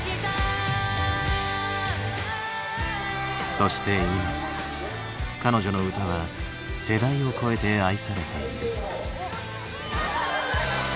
そして今彼女の歌は世代を超えて愛されている。